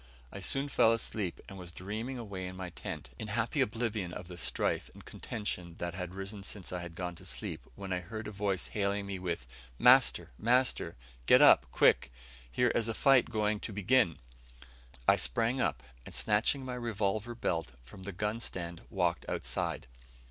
I soon fell asleep, and was dreaming away in my tent, in happy oblivion of the strife and contention that had risen since I had gone to sleep, when I heard a voice hailing me with, "Master, master! get up, quick. Here is a fight going to begin!" I sprang up, and snatching my revolver belt from the gun stand, walked outside.